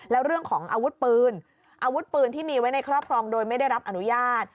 แล้วเรื่องของอาวุธปืนอาวุธปืนที่มีไว้ในครอบครองโดยไม่ได้รับอนุญาต